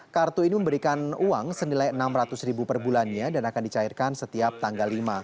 kartu ini memberikan uang senilai rp enam ratus per bulannya dan akan dicairkan setiap tanggal lima